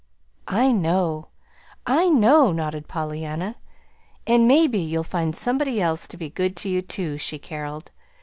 "I know, I know," nodded Pollyanna. "And maybe you'll find somebody else to be good to you, too," she caroled.